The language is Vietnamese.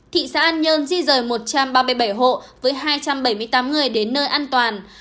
thị xã an nhơn di rời một trăm ba mươi bảy hộ với hai trăm bảy mươi tám người đến nơi an toàn